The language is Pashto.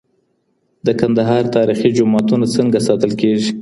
د کندهار تاریخي جوماتونه څنګه ساتل کېږي؟